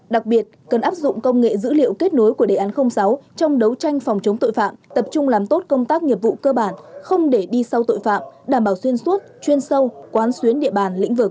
đặc biệt cần áp dụng công nghệ dữ liệu kết nối của đề án sáu trong đấu tranh phòng chống tội phạm tập trung làm tốt công tác nghiệp vụ cơ bản không để đi sau tội phạm đảm bảo xuyên suốt chuyên sâu quán xuyến địa bàn lĩnh vực